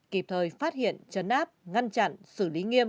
kịp thời phát hiện chấn áp ngăn chặn xử lý nghiêm